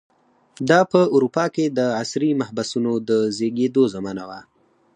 دا په اروپا کې د عصري محبسونو د زېږېدو زمانه وه.